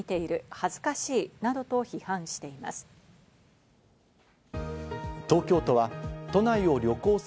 恥ずかしいなどと批判しています。